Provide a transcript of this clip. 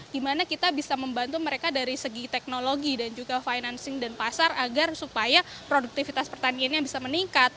dimana kita bisa membantu mereka dari segi teknologi dan juga financing dan pasar agar supaya produktivitas pertaniannya bisa meningkat